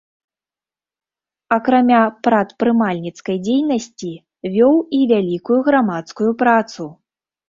Акрамя прадпрымальніцкай дзейнасці вёў і вялікую грамадскую працу.